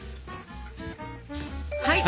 はい！